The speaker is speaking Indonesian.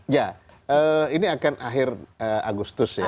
ya ini akan akhir agustus ya